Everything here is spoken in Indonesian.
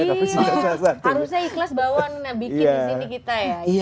iya harusnya ikhlas bawah bikin di sini kita ya